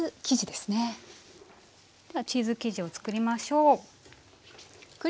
ではチーズ生地を作りましょう。